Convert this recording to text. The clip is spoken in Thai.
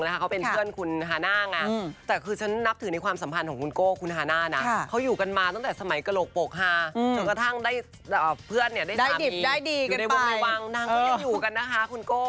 นะคะเขาเป็นเพื่อนคุณฮานะค่ะอยู่กันมาตั้งแต่สมัยกะโหลปกฮ่าถึงกระทั่งผู้วางยังอยู่กันนะคะคุณโก้